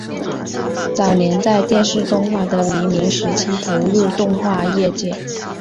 早年在电视动画的黎明时期投入动画业界。